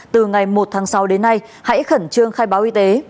từ ngày một tháng sáu đến nay hãy khẩn trương khai báo y tế